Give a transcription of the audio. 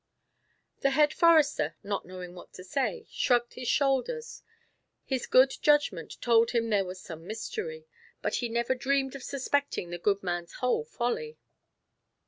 The Head Forester, not knowing what to say, shrugged his shoulders; his good judgment told him there was some mystery, but he never dreamed of suspecting the good man's whole folly.